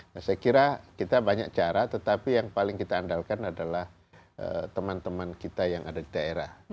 nah saya kira kita banyak cara tetapi yang paling kita andalkan adalah teman teman kita yang ada di daerah